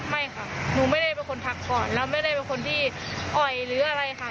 ไม่ค่ะหนูไม่ได้เป็นคนพักก่อนแล้วไม่ได้เป็นคนที่อ่อยหรืออะไรค่ะ